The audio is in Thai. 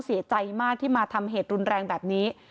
เสียใจมากที่มาทำเหตุรุนแรงแบบนี้